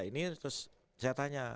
ini terus saya tanya